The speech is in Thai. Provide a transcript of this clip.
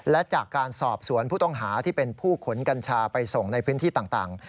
และจากการสอบสวนผู้ต้องหาที่เป็นผู้ขนกัญชาไปส่งในพื้นที่ต่าง